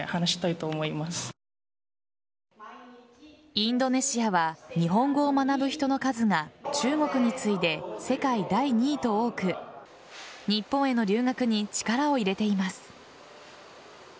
インドネシアは日本語を学ぶ人の数が中国に次いで、世界第２位と多く日本への留学に力を入れています。